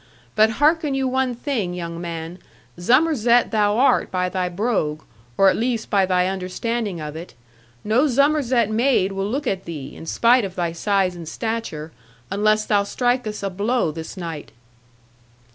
But hearken you one thing, young man; Zummerzett thou art, by thy brogue; or at least by thy understanding of it; no Zummerzett maid will look at thee, in spite of thy size and stature, unless thou strikest a blow this night.'